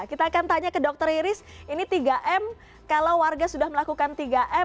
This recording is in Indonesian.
kita akan tanya ke dokter iris ini tiga m kalau warga sudah melakukan tiga m